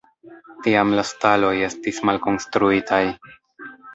Tiam la staloj estis malkonstruitaj.